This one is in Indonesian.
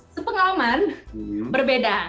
se pengalaman berbeda